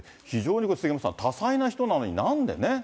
これ、杉山さん、多才な人なのに、なんでね。